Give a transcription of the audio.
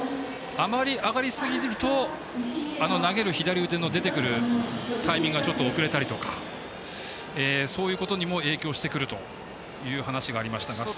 あまり上がりすぎるとあの投げる左腕の出てくるタイミングがちょっと遅れたりとかそういうことにも影響してくるという話もありましたが。